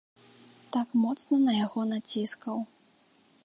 Так моцна на яго націскаў.